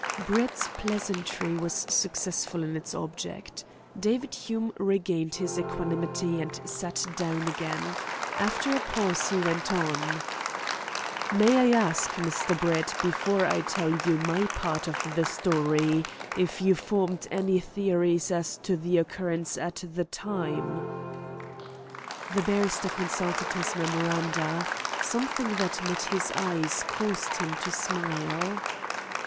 Brett's pleasantry was successful in its object. David Hume regained his equanimity and sat down again. After a pause he went on: "May I ask, Mr. Brett, before I tell you my part of the story, if you formed any theories as to the occurrence at the time?" The barrister consulted his memoranda. Something that met his eyes caused him to smile.